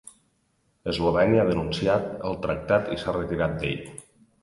Eslovènia ha denunciat el tractat i s'ha retirat d'ell.